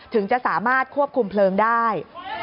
ถึงจะสามารถควบคุมเพลิงได้